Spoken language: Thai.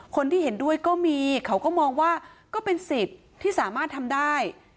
คนที่เห็นด้วยก็มีเขาก็มองว่าก็เป็นสิทธิ์ที่สามารถทำได้